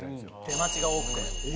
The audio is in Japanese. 出待ちが多くて。